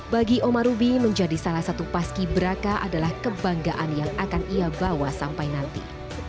bagi omar ubi menjadi salah satu pas kibraka adalah kebanggaan yang akan ia bawa sampai nanti